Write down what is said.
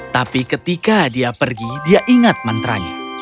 tapi ketika dia pergi dia ingat mantra nya